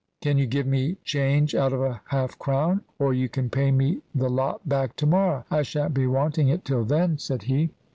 Can you give me change out of a half crown? Or you can pay me the lot back to morrow, I shan't be wanting it till then," said he.